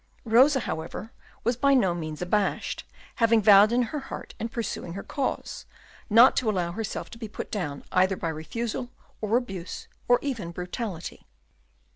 Rosa, however, was by no means abashed, having vowed in her heart, in pursuing her cause, not to allow herself to be put down either by refusal, or abuse, or even brutality.